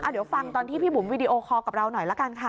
เดี๋ยวฟังตอนที่พี่บุ๋มวีดีโอคอลกับเราหน่อยละกันค่ะ